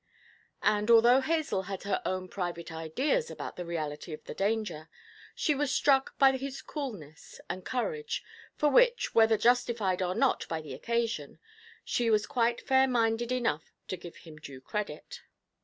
And, although Hazel had her own private ideas about the reality of the danger, she was struck by his coolness and courage, for which, whether justified or not by the occasion, she was quite fair minded enough to give him due credit.